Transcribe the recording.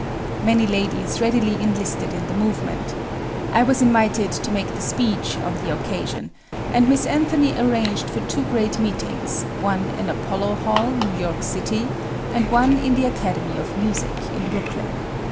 Many ladies readily enlisted in the movement. I was invited to make the speech on the occasion, and Miss Anthony arranged for two great meetings, one in Apollo Hall, New York city, and one in the Academy of Music, in Brooklyn.